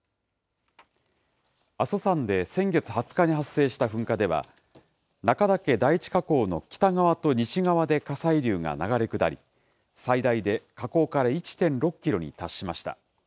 阿蘇山で先月２０日に発生した噴火では、中岳第一火口の北側と西側で火砕流が流れ下り、最大で火口から１．６キロに達しました。